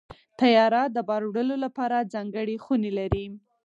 طیاره د بار وړلو لپاره ځانګړې خونې لري.